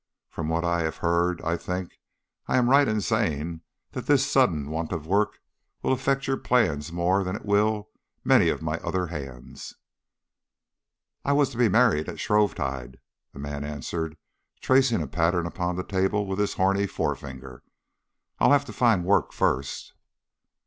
From what I have heard I think I am right in saying that this sudden want of work will affect your plans more than it will many of my other hands." "I was to be married at Shrovetide," the man answered, tracing a pattern upon the table with his horny forefinger. "I'll have to find work first."